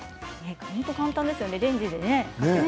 本当に簡単ですよねレンジで。